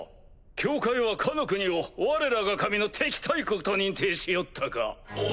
教会はかの国をわれらが神の敵対国と認定しよったか！